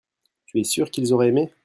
tu es sûr qu'ils auraient aimé.